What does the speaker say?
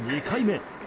２回目。